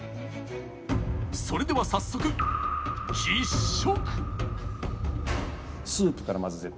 それでは早速、実食！